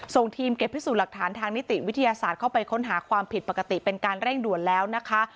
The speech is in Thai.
ส่งทีมเก็บพิสูจน์หลักฐานทางนิติวิทยาศาสตร์เข้าไปค้นหาความผิดปกติเป็นการเร่งด่วนแล้วนะคะ